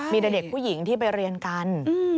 มีแต่เด็กผู้หญิงที่ไปเรียนกัน